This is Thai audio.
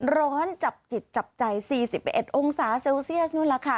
ร้อนจับจิตจับใจ๔๑องศาเซลเซียสนู่นล่ะค่ะ